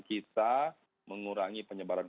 kita mengurangi penyebaran